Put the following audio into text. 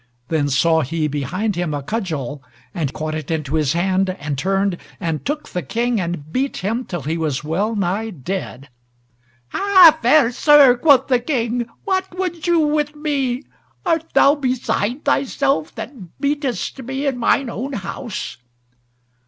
Then saw he behind him a cudgel, and caught it into his hand, and turned, and took the King, and beat him till he was well nigh dead. "Ha! fair sir," quoth the King, "what would you with me? Art thou beside thyself, that beatest me in mine own house?"